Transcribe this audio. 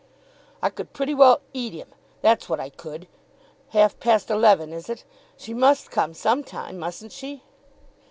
"I could pretty well eat him, that's what I could. Half past eleven; is it? She must come some time, mustn't she?"